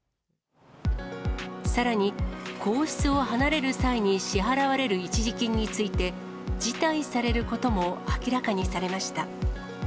さらに、皇室を離れる際に支払われる一時金について、辞退されることも明らかにされました。